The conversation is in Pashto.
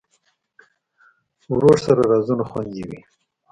ورور سره رازونه خوندي وي.